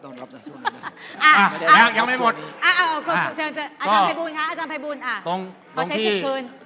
อาจารย์ไภบูรณ์ขอใช้จิตคืน